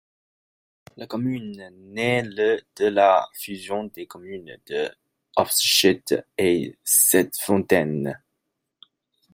La commune naît le de la fusion des communes de Hobscheid et Septfontaines.